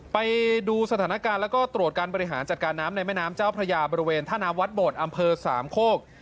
ไปดูสถานการณ์แล้วก็ตรวจการบริหารจัดการน้ำในแม่น้ำเจ้าพระยาบริเวณท่าน้ำวัดโบดอำเภอสามโคก